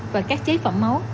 và các chế phẩm máu